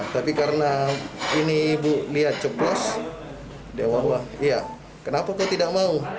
tapi karena ini ibu lihat ceplos dia wah wah iya kenapa kau tidak mau